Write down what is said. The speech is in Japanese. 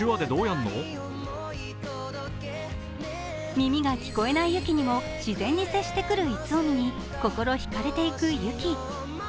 耳が聞こえない雪にも自然に接してくる逸臣に心引かれていく雪。